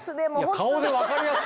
顔で分かりやすっ！